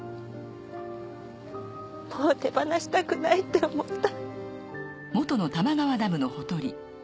もう手放したくないって思った。